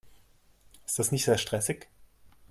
Ist das nicht sehr stressig?